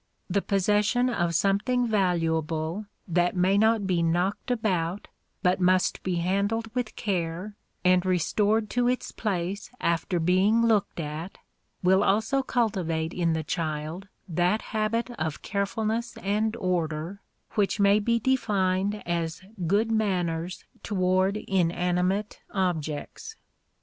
The possession of something valuable, that may not be knocked about, but must be handled with care and restored to its place after being looked at, will also cultivate in the child that habit of carefulness and order which may be defined as good manners toward inanimate objects.